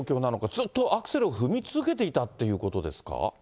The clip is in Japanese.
ずっとアクセルを踏み続けていったっていうことですか？